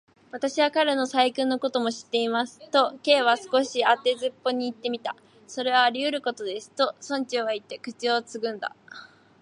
「私は彼の細君のことも知っています」と、Ｋ は少し当てずっぽうにいってみた。「それはありうることです」と、村長はいって、口をつぐんだ。